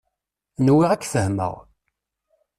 Nwiɣ ad k-fehmeɣ.